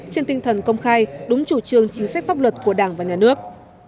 trên tinh thần công khai đúng chủ trương chính sách pháp luật của đảng và nhà nước